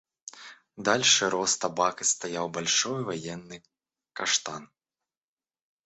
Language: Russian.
Дальше рос табак и стоял большой военный каштан.